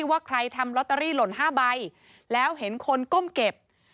ว่าใครทำลอตเตอรี่หล่น๕ใบแล้วเห็นคนก้มเก็บ